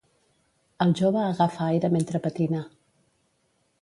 El jove agafa aire mentre patina.